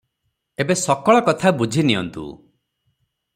ଏବେ ସକଳ କଥା ବୁଝିନିଅନ୍ତୁ ।